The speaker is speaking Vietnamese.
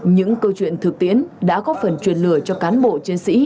những câu chuyện thực tiễn đã góp phần truyền lửa cho cán bộ chiến sĩ